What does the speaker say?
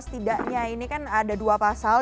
setidaknya ini kan ada dua pasal